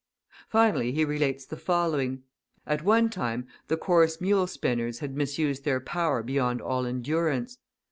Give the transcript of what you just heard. Finally, he relates the following: At one time the coarse mule spinners had misused their power beyond all endurance.